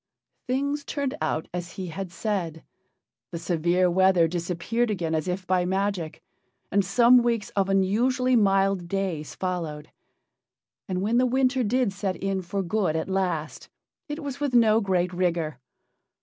Things turned out as he had said. The severe weather disappeared again as if by magic, and some weeks of unusually mild days followed. And when the winter did set in for good at last, it was with no great rigor.